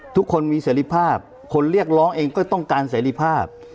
ทุกคนมีเสรีภาพคนเรียกร้องเองก็ต้องการเสรีภาพ